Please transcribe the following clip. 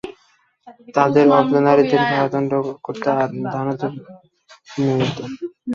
তাদের অবলা নারীদের কারারুদ্ধ করত আর তাদের ধনসম্পদ ছিনিয়ে নিত।